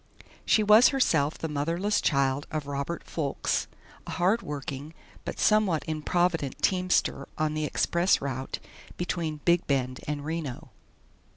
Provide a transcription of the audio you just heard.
She was herself the motherless child of Robert Foulkes, a hardworking but somewhat improvident teamster on the Express Route between Big Bend and Reno.